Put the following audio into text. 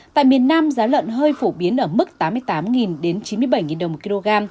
tại miền nam giá lợn hơi phổ biến ở mức tám mươi